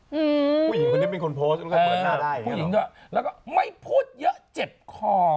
ผู้หญิงคนนี้เป็นคนโพสต์แล้วก็ไม่พูดเยอะเจ็บคอ